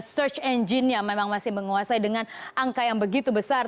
search engine nya memang masih menguasai dengan angka yang begitu besar